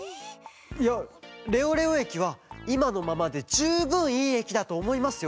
いやレオレオえきはいまのままでじゅうぶんいいえきだとおもいますよ。